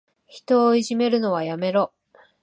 人をいじめるのはやめろ。